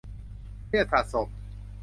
เครียดสะสม